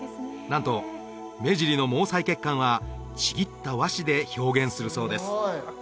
なんと目尻の毛細血管はちぎった和紙で表現するそうです